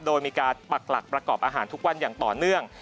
โดยมีการปักหลักประกอบอาหารทุกวันอย่างต่อเนื่อง